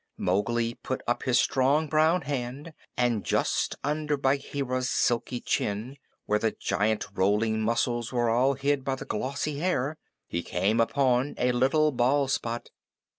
Mowgli put up his strong brown hand, and just under Bagheera's silky chin, where the giant rolling muscles were all hid by the glossy hair, he came upon a little bald spot.